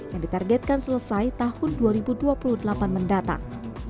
yang ditargetkan selesai tahun dua ribu dua puluh delapan mendatang